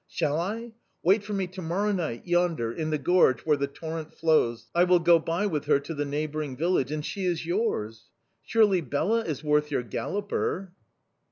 Shall I? Wait for me to morrow night, yonder, in the gorge where the torrent flows; I will go by with her to the neighbouring village and she is yours. Surely Bela is worth your galloper!